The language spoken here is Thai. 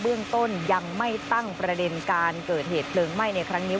เรื่องต้นยังไม่ตั้งประเด็นการเกิดเหตุเพลิงไหม้ในครั้งนี้